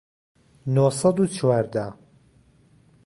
نۆ سەد و چواردە